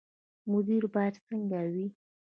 مدیر باید څنګه وي؟